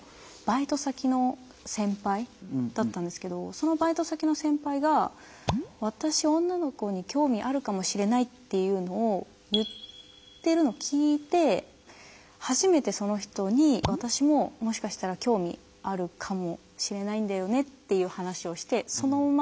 そのバイト先の先輩が私女の子に興味あるかもしれないっていうのを言ってるのを聞いて初めてその人に私ももしかしたら興味あるかもしれないんだよねっていう話をしてそのまま